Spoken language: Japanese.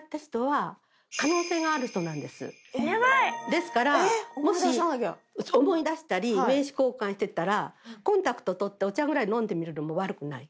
ですからもし思い出したり名刺交換してたらコンタクト取ってお茶ぐらい飲んでみるのも悪くない。